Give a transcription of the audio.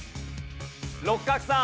六角さん。